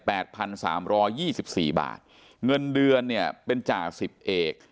พันสามร้อยยี่สิบสี่บาทเงินเดือนเนี่ยเป็นจ่าสิบเอก